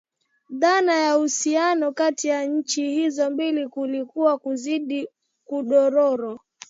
Dhana ya uhusiano kati ya nchi hizo mbili ulikuwa ukizidi kudorora